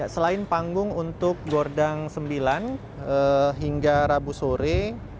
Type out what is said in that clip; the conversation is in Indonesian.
selain panggung untuk gordang sembilan hingga rabu sore